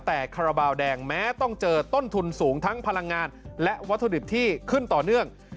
แต่คาราบาลแดงแม้ต้องเจอต้นทุนสูงทั้งพลังงานและวัตถุดิบที่ขึ้นต่อเนื่อง